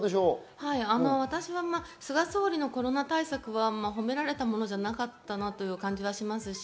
菅総理のコロナ対策は褒められたものじゃなかったなという感じはします。